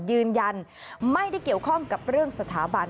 ยืนยันไม่ได้เกี่ยวข้องกับเรื่องสถาบัน